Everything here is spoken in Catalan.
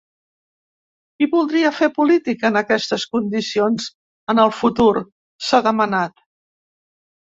“Qui voldrà fer política en aquestes condicions en el futur?”, s’ha demanat.